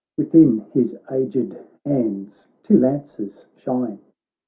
Within his agSd hands two lances shine.